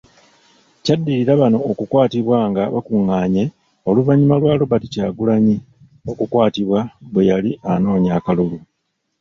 Kyaddirira bano okukwatibwa nga bakungaanye oluvannyuma lwa Robert Kyagulanyi, okukwatibwa bwe yali anoonya akalulu.